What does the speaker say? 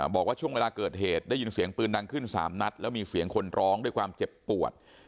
บอกว่าช่วงเวลาเกิดเหตุได้ยินเสียงปืนดังขึ้น๓นัดแล้วมีเสียงคนร้องด้วยความเจ็บปวด